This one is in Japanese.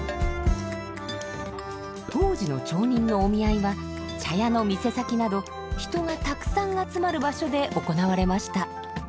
当時の町人のお見合いは茶屋の店先など人がたくさん集まる場所で行われました。